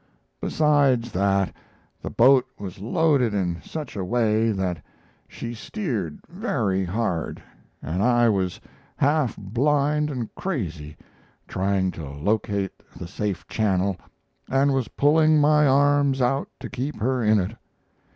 Besides that, the boat was loaded in such a way that she steered very hard, and I was half blind and crazy trying to locate the safe channel, and was pulling my arms out to keep her in it.